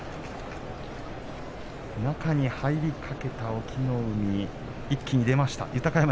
中に入りかけた隠岐の海一気に出ました豊山。